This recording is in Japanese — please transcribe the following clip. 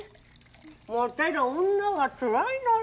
モテる女はつらいのよ。